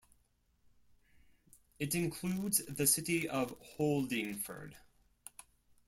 It includes the city of Holdingford.